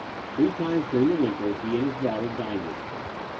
Three times during the winter he and his daughter dined with us.